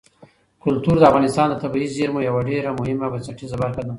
کلتور د افغانستان د طبیعي زیرمو یوه ډېره مهمه او بنسټیزه برخه ده.